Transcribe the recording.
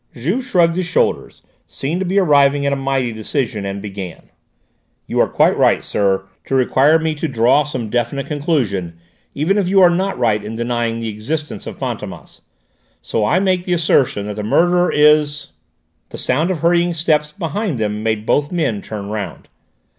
Juve shrugged his shoulders, seemed to be arriving at a mighty decision, and began: "You are quite right, sir, to require me to draw some definite conclusion, even if you are not right in denying the existence of Fantômas. So I make the assertion that the murderer is "The sound of hurrying steps behind them made both men turn round.